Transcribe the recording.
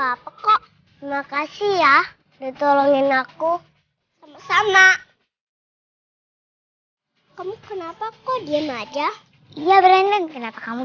apa kok makasih ya udah tolongin aku sama sama kamu kenapa kok dia maja iya brandon kenapa kamu